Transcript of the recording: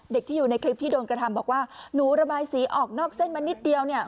ที่อยู่ในคลิปที่โดนกระทำบอกว่าหนูระบายสีออกนอกเส้นมานิดเดียวเนี่ย